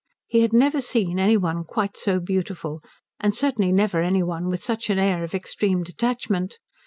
He had never seen any one quite so beautiful, and certainly never any one with such an air of extreme detachment.